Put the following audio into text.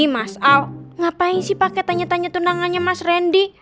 mas al ngapain sih pake tanya tanya tunangannya mas rendy